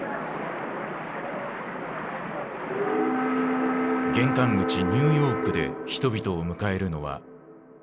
玄関口ニューヨークで人々を迎えるのは自由の女神。